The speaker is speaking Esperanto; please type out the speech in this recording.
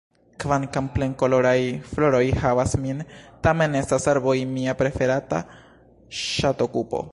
Kvankam plenkoloraj floroj ravas min, tamen estas arboj mia preferata ŝatokupo.